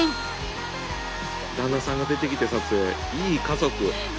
旦那さんが出てきて撮影いい家族。